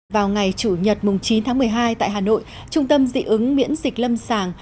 vào ngày chủ nhật chín tháng một mươi hai tại hà nội trung tâm dị ứng miễn dịch lâm sàng